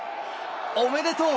おめでとう！